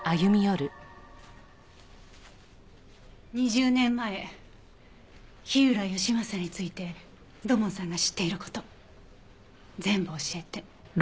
２０年前火浦義正について土門さんが知っている事全部教えて。